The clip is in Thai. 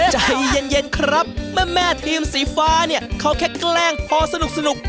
ใจเย็นครับแม่ทีมสีฟ้าเนี่ยเขาแค่แกล้งพอสนุก